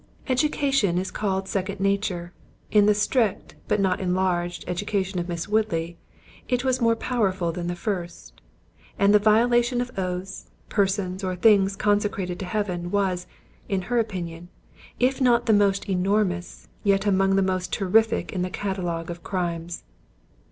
Education, is called second nature; in the strict (but not enlarged) education of Miss Woodley, it was more powerful than the first—and the violation of oaths, persons, or things consecrated to Heaven, was, in her opinion, if not the most enormous, yet among the most terrific in the catalogue of crimes.